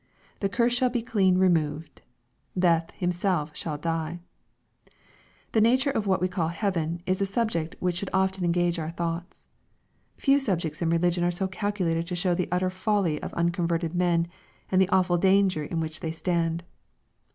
The curse shall be clean removed. Death himself shall die. The nature of what we call "heaven" is a subject which should often engage our thoughts. Few subjects in religion are so calculated to show the utter folly of unconverted men, and the awful danger in which they stand.